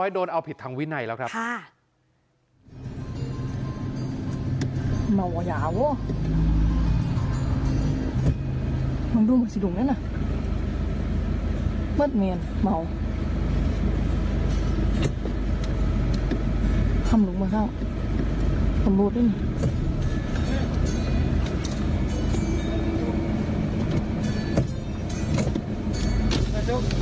คำลุงมาข้าวคำลูกด้วย